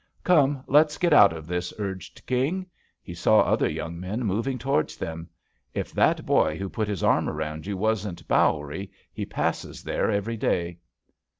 "Come, let's get out of this," urged King. He saw other young men moving towards them. "If that boy who put his arm around JUST SWEETHEARTS ^ you wasn't Bowery he passes there every day."